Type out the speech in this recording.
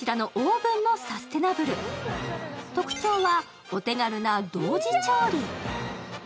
特徴は、お手軽な同時調理。